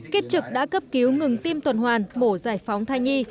kiếp trực đã cấp cứu ngừng tiêm tuần hoàn bổ giải phóng thai nghi